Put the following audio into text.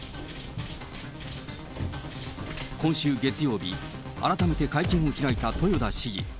今週月曜日、改めて会見を開いた豊田市議。